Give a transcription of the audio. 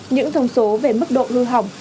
những thông số về mức độ hư hỏng